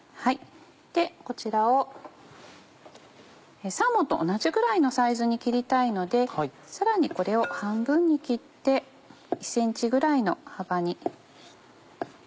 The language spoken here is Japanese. こちらをサーモンと同じぐらいのサイズに切りたいのでさらにこれを半分に切って１ｃｍぐらいの幅に。